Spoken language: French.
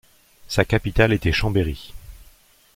Sa capitale était Chambéry.